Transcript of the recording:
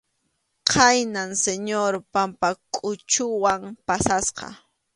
Khaynam Señor Pampakʼuchuwan pasasqa.